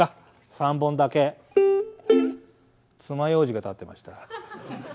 ３本だけつまようじが立ってました。